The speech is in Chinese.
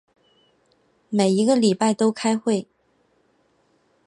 每一个礼拜都开会。